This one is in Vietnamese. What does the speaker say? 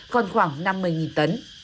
còn khoảng năm mươi tấn